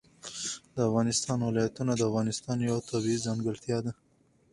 د افغانستان ولايتونه د افغانستان یوه طبیعي ځانګړتیا ده.